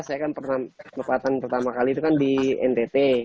saya kan pernah pertama kali itu kan di ntt